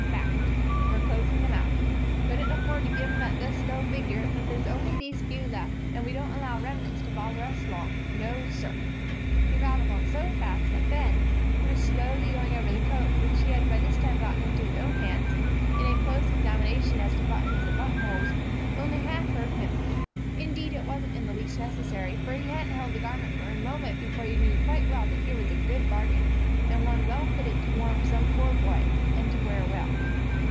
Fact. We're closing them out. Couldn't afford to give 'em at this low figure, but there's only these few left, and we don't allow remnants to bother us long, no, sir." He rattled on so fast that Ben, who was slowly going over the coat, which he had by this time gotten into his own hands, in a close examination as to buttons and buttonholes, only half heard him. Indeed, it wasn't in the least necessary, for he hadn't held the garment for a moment before he knew quite well that here was a good bargain, and one well fitted to warm some poor boy, and to wear well.